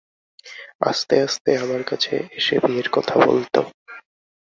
আস্তে আস্তে আমার কাছে এসে বিয়ের কথা বলতো।